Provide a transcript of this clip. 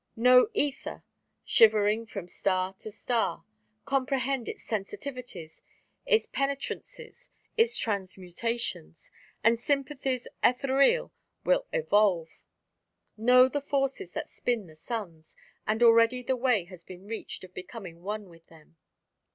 Know ether shivering from star to star; comprehend its sensitivities, its penetrancies, its transmutations; and sympathies ethereal will evolve. Know the forces that spin the suns; and already the way has been reached of becoming one with them.